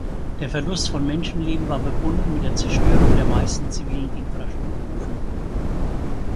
Der Verlust von Menschenleben war verbunden mit der Zerstörung der meisten zivilen Infrastrukturen.